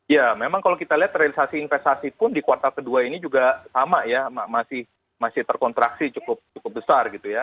ya memang kalau kita lihat realisasi investasi pun di kuartal kedua ini juga sama ya masih terkontraksi cukup besar gitu ya